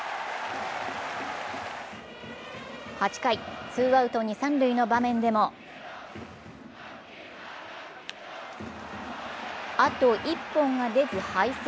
８回、ツーアウト、二・三塁の場面でもあと１本が出ず敗戦。